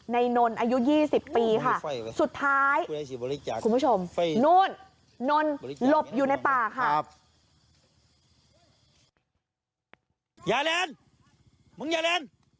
นนอายุ๒๐ปีค่ะสุดท้ายคุณผู้ชมนู่นนนหลบอยู่ในป่าค่ะ